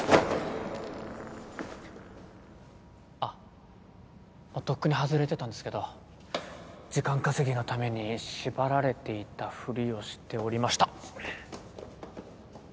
あっもうとっくに外れてたんですけど時間稼ぎのために縛られていたふりをしておりました。